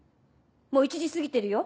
もう１時過ぎてるよ。